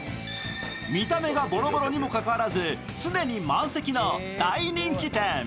見た目がボロボロにもかかわらず常に満席の大人気店。